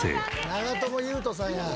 長友佑都さんや。